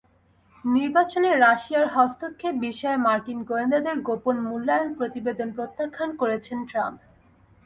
নির্বাচনে রাশিয়ার হস্তক্ষেপ বিষয়ে মার্কিন গোয়েন্দাদের গোপন মূল্যায়ন প্রতিবেদন প্রত্যাখ্যান করেছেন ট্রাম্প।